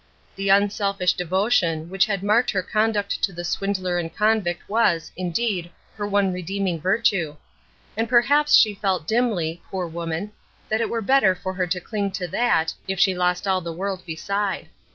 The unselfish devotion which had marked her conduct to the swindler and convict was, indeed, her one redeeming virtue; and perhaps she felt dimly poor woman that it were better for her to cling to that, if she lost all the world beside.